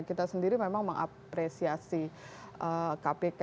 kita sendiri memang mengapresiasi kpk